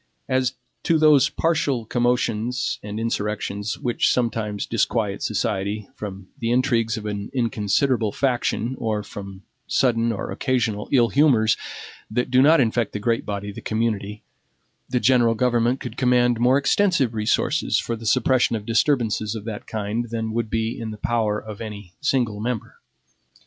As to those partial commotions and insurrections, which sometimes disquiet society, from the intrigues of an inconsiderable faction, or from sudden or occasional illhumors that do not infect the great body of the community the general government could command more extensive resources for the suppression of disturbances of that kind than would be in the power of any single member.